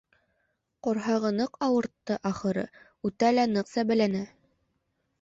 Ҡорһағы ныҡ ауыртты, ахырыһы, үтә лә ныҡ сәбәләнә.